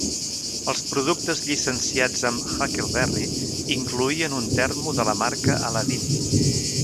Els productes llicenciats amb "Huckleberry" incloïen un termo de la marca Aladdin.